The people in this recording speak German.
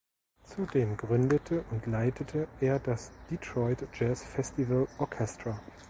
Zudem gründete und leitete er das "Detroit Jazz Festival Orchestra".